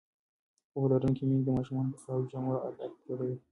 پوهه لرونکې میندې د ماشومانو د پاکو جامو عادت جوړوي.